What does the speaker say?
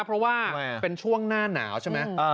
เพราะว่าเป็นช่วงหน้าหนาวใช่ไหม